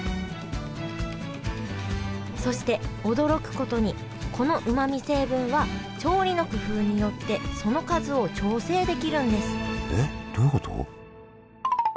そして驚くことにこのうまみ成分は調理の工夫によってその数を調整できるんですえっどういうこと？